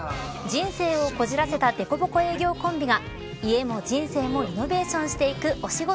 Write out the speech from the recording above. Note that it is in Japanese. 人生をこじらせたデコボコ営業コンビが家も人生もリノベーションしていくお仕事